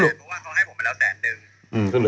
๗แสน๘แสนประมาณนั้นครับ